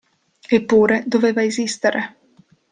Eppure, doveva esistere.